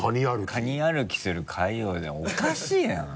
カニ歩きする海王でおかしいのよ。